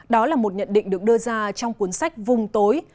đó là một nhận định được đưa ra trong cuốn sách vùng tối